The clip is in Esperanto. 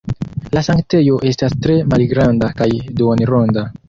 La sanktejo estas tre malgranda kaj duonronda.